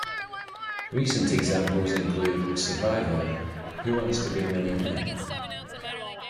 Recent examples include "Survivor", "Who Wants to Be a Millionaire?